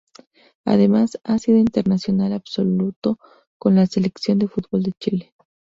Además, ha sido internacional absoluto con la Selección de fútbol de Chile.